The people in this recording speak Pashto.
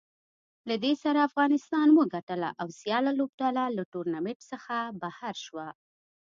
له دې سره افغانستان وګټله او سیاله لوبډله له ټورنمنټ څخه بهر شوه